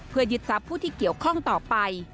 เพื่อยึดทรัพย์ผู้ที่เกี่ยวข้องต่อไป